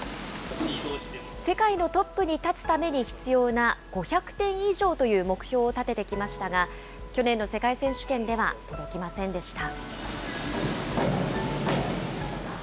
世界のトップに立つために必要な５００点以上という目標を立ててきましたが、去年の世界選手権では届きませんでした。